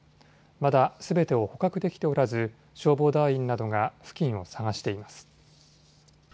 まだすべてを捕獲できておらず、消防団員などが付近を探しています。